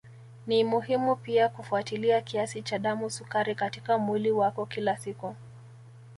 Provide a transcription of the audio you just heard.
Ni muhimu pia kufuatilia kiasi cha damu sukari katika mwili wako kila siku